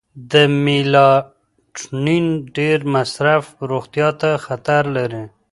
د میلاټونین ډیر مصرف روغتیا ته خطر لري.